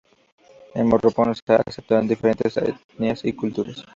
En Morropón se asentaron diferentes etnias y culturas.